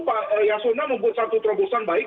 pak yasona membuat satu terobosan baik